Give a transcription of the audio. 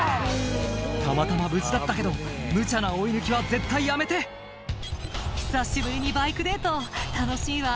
たまたま無事だったけどむちゃな追い抜きは絶対やめて「久しぶりにバイクデート楽しいわ」